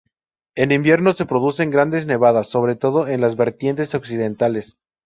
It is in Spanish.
En invierno se producen grandes nevadas, sobre todo en las vertientes occidentales.